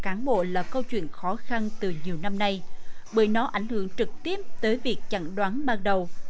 cán bộ là câu chuyện khó khăn từ nhiều năm nay bởi nó ảnh hưởng trực tiếp tới việc chặn đoán ban đầu